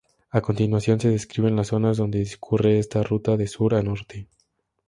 A continuación se describen las zonas donde discurre esta ruta de sur a norte.